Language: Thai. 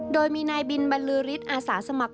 โดยมีนายบินบรรลือฤทธิ์อาสาสมัคร